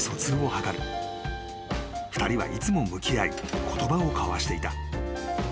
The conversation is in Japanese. ［２人はいつも向き合い言葉を交わしていた］